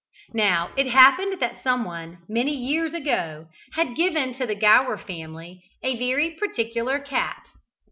Now it happened that someone, many years ago, had given to the Gower family a very particular cat.